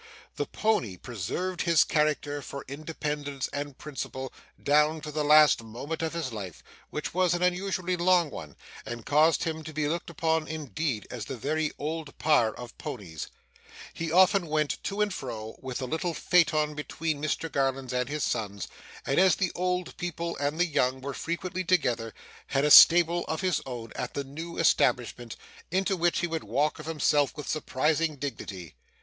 The pony preserved his character for independence and principle down to the last moment of his life; which was an unusually long one, and caused him to be looked upon, indeed, as the very Old Parr of ponies. He often went to and fro with the little phaeton between Mr Garland's and his son's, and, as the old people and the young were frequently together, had a stable of his own at the new establishment, into which he would walk of himself with surprising dignity.